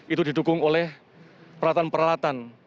itu didukung oleh peralatan peralatan